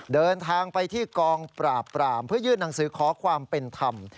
เดินทางไปที่กองปราบปรามเพื่อยื่นหนังสือขอความเป็นธรรม